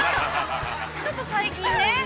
◆ちょっと最近ね。